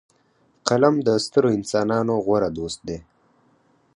قلم د سترو انسانانو غوره دوست دی